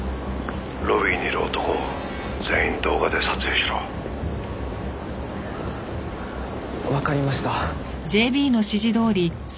「ロビーにいる男を全員動画で撮影しろ」わかりました。